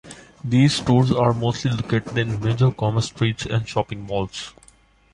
These stores are mostly located in major commerce streets and shopping malls.